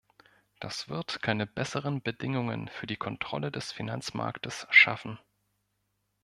Das wird keine besseren Bedingungen für die Kontrolle des Finanzmarktes schaffen.